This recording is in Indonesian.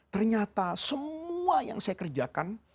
ternyata semua yang saya kerjakan